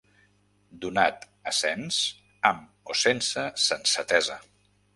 Donat a cens, amb o sense sensatesa.